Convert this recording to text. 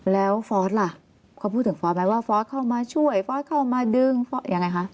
แล้วฟอร์สล่ะเขาพูดถึงฟอร์สไหมว่าฟอร์สเข้ามาช่วยฟอสเข้ามาดึงฟอสยังไงคะ